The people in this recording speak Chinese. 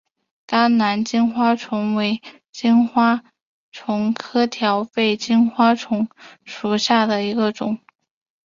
甘蓝金花虫为金花虫科条背金花虫属下的一个种。